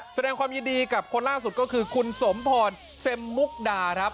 แสดงความยินดีกับคนล่าสุดก็คือคุณสมพรเซ็มมุกดาครับ